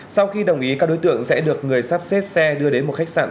sau khi đồng ý các đối tượng sẽ được người sắp xếp xe đưa đến một khách sạn